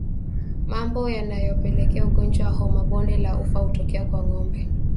Mambo yanayopelekea ugonjwa wa homa ya bonde la ufa kutokea kwa ngombe